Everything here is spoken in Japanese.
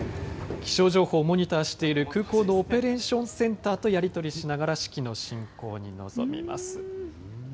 気象情報をモニターしている空港のオペレーションセンターとやり取りしながら式の進行に臨みます。